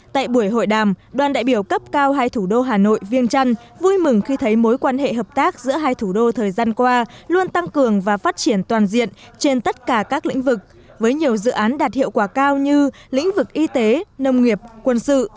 tại buổi hội đàm đoàn đại biểu cấp cao hai thủ đô hà nội viêng trăn vui mừng khi thấy mối quan hệ hợp tác giữa hai thủ đô thời gian qua luôn tăng cường và phát triển toàn diện trên tất cả các lĩnh vực với nhiều dự án đạt hiệu quả cao như lĩnh vực y tế nông nghiệp quân sự